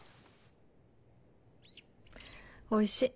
おいしい。